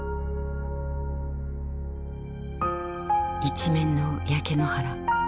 一面の焼け野原。